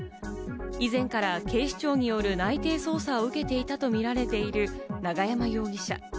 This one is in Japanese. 以前から警視庁による内偵捜査を受けていたと見られている永山容疑者。